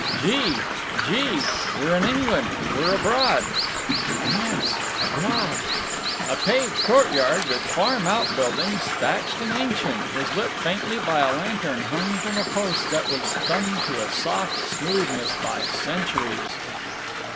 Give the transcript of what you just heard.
"Gee!… Gee! we're in England. We're abroad!" "Yes—abroad." A paved courtyard with farm outbuildings thatched and ancient was lit faintly by a lantern hung from a post that was thumbed to a soft smoothness by centuries.